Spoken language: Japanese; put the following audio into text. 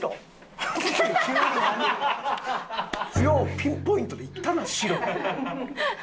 ピンポイントで言ったな「白」って。